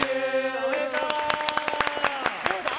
おめでとう！